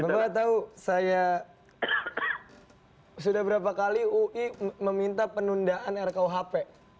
bapak tahu saya sudah berapa kali ui meminta penundaan rkuhp